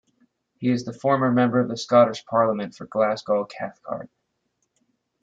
He is the former Member of the Scottish Parliament for Glasgow Cathcart.